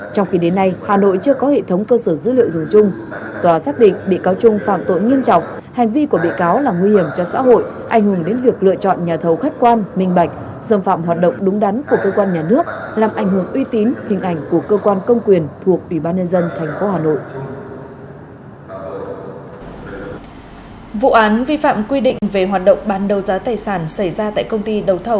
trong khi đến nay hà nội chưa có hệ thống cơ sở dữ liệu dùng chung tòa xác định bị cáo trung phạm tội nghiêm trọng hành vi của bị cáo là nguy hiểm cho xã hội ảnh hưởng đến việc lựa chọn nhà thầu khách quan minh bạch xâm phạm hoạt động đúng đắn của cơ quan nhà nước làm ảnh hưởng uy tín hình ảnh của cơ quan công quyền thuộc ủy ban nhân dân thành phố hà nội